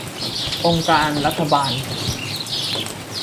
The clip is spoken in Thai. องค์การรัฐบาล